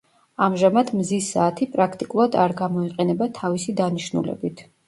ამჟამად მზის საათი პრაქტიკულად არ გამოიყენება თავისი დანიშნულებით.